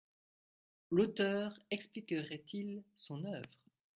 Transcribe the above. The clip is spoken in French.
L’auteur expliquerait-il son œuvre ?